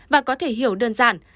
và có thể hiểu đơn giản